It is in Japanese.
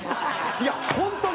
いや、本当に。